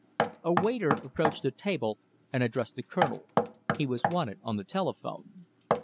A waiter approached the table and addressed the Colonel he was wanted on the telephone.